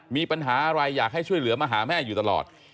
มีปัญหาอะไรอยากให้ช่วยเหลือมาหาแม่อยู่ตลอด